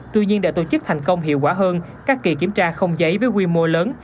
tuy nhiên để tổ chức thành công hiệu quả hơn các kỳ kiểm tra không giấy với quy mô lớn